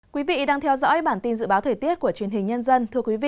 quý vị đang theo dõi bản tin dự báo thời tiết của truyền hình nhân dân